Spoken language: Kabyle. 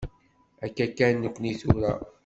Akka kan nekni tura.